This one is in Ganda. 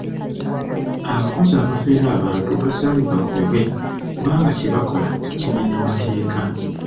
Abakozi abafera abantu basaanye bagobebwe kubanga kye bakola kimenya mateeka.